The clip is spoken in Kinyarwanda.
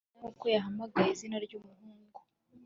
umusaya nkuko yahamagaye izina ryumuhungu